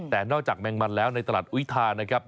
แต่นอกจากแมงมันแล้วในตลาดอุยธานะครับ